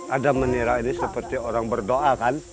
ada menirak ini seperti orang berdoa kan begitu